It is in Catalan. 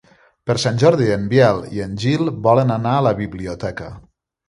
Per Sant Jordi en Biel i en Gil volen anar a la biblioteca.